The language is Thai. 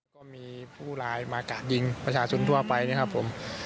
ก็มีผู้ลายมากะดยิงประชาชนทั่วไปนะครับผม